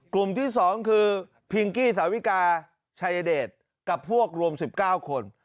กลุ่มที่๒คือพิงกี้สาวิกาชัยเดชกับพวกรวม๑๙คน